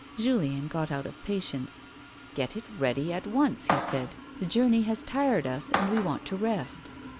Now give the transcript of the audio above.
Julien got out of patience. " Get it ready at once," he said. " The journey has tired us and we want to rest."